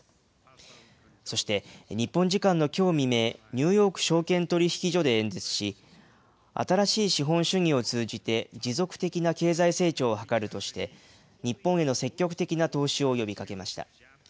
そして日本時間のきょう未明、ニューヨーク証券取引所で演説し、新しい資本主義を通じて持続的な経済成長を図るとして、日本への積極的な投資を呼びかけました。